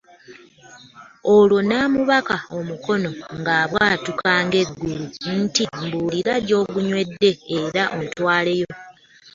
Olwo n'amubaka omukono nga bw'abwatuka ng'eggulu nti "Mbuulira gy'ogunywedde era ontwaleyo".